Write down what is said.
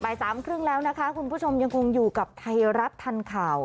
สามครึ่งแล้วนะคะคุณผู้ชมยังคงอยู่กับไทยรัฐทันข่าว